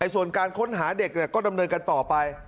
ส่วนการค้นหาเด็กก็ดำเนินกันต่อไป